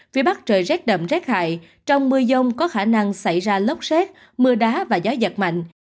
phía bắc trời rét đậm rét hại trong mưa dông có khả năng xảy ra lốc xét mưa đá và gió giật mạnh